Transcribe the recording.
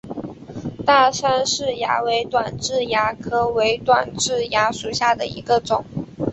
大杉氏蚜为短痣蚜科伪短痣蚜属下的一个种。